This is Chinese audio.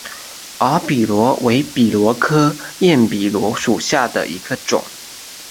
耳笔螺为笔螺科焰笔螺属下的一个种。